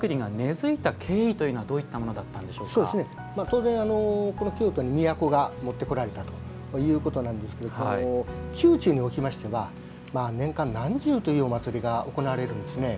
当然この京都に都が持ってこられたということなんですけど宮中におきましては年間何十というお祭りが行われるんですね。